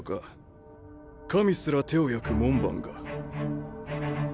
神すら手を焼く門番が。